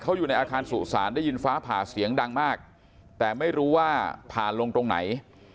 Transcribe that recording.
เขาอยู่ในอาคารสุสานได้ยินฟ้าผ่าเสียงดังมากแต่ไม่รู้ว่าผ่าลงตรงไหน